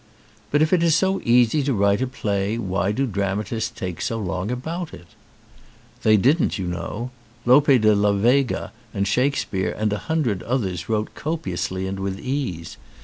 "But if it is so easy to write a play why do dramatists take so long about it?" "They didn't, you know. Lope de la Vega and Shakespeare and a hundred others wrote copiously and with ease.